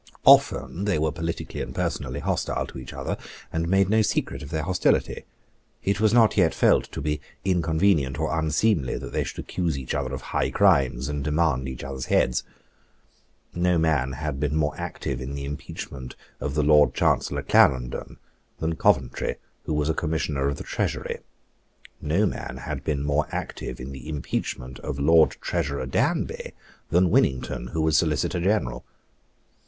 Often they were politically and personally hostile to each other, and made no secret of their hostility. It was not yet felt to be inconvenient or unseemly that they should accuse each other of high crimes, and demand each other's heads. No man had been more active in the impeachment of the Lord Chancellor Clarendon than Coventry, who was a Commissioner of the Treasury. No man had been more active in the impeachment of the Lord Treasurer Danby than Winnington, who was Solicitor General.